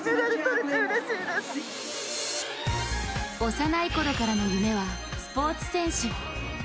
幼いころからの夢はスポーツ選手。